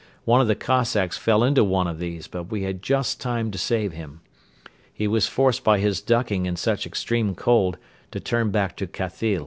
One of the Cossacks fell into one of these but we had just time to save him. He was forced by his ducking in such extreme cold to turn back to Khathyl.